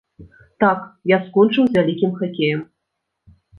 Так, я скончыў з вялікім хакеем.